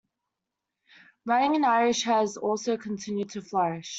Writing in Irish has also continued to flourish.